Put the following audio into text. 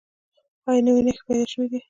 ایا نوي نښې پیدا شوي دي؟